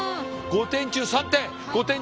５点中３点。